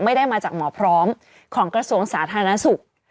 ไม่ได้มาจากหมอพร้อมของกระทรวงสาธารณสุข